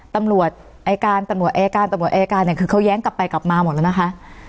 ตำรวจอายการตำรวจแอร์การตำรวจแอร์การคือเขาแย้งกลับไปกลับมาหมดแล้วนะคะ